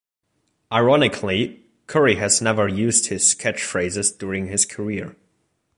Ironically, Curry has never used catchphrases during his career.